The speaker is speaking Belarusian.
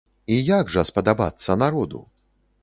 І як жа спадабацца народу?